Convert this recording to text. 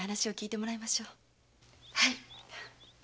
はい。